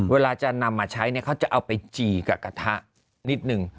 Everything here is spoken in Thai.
เวลาจะนำมาใช้เนี่ยเขาจะเอาไปจี่กับกระทะนิดนึง